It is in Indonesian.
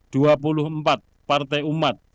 dua puluh empat partai umat